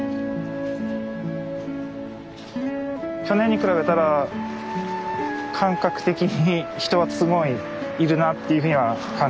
去年に比べたら感覚的に人はすごいいるなっていうふうには感じます。